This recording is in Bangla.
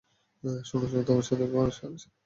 শোনো তোমার সাথে শাড়ি সাবধানে।